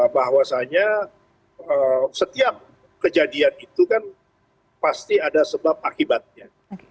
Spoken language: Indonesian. bahwasanya setiap kejadian itu kan pasti ada sebab akibatnya